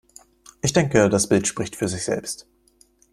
Ich denke, das Bild spricht für sich selbst.